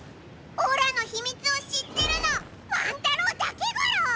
オラのひみつを知ってるのワン太郎だけゴロ！